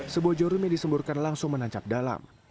sebuah jarum yang disemburkan langsung menancap dalam